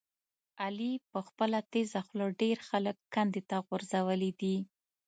علي په خپله تېزه خوله ډېر خلک کندې ته غورځولي دي.